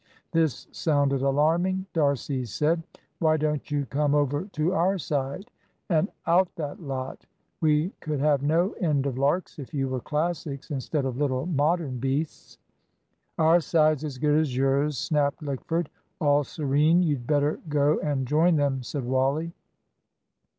This sounded alarming. D'Arcy said "Why don't you come over to our side, and out that lot! We could have no end of larks if you were Classics, instead of little Modern beasts." "Our side's as good as yours," snapped Lickford. "All serene; you'd better go and join them," said Wally.